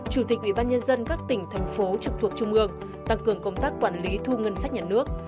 chủ tịch ubnd các tỉnh thành phố trực thuộc trung ương tăng cường công tác quản lý thu ngân sách nhà nước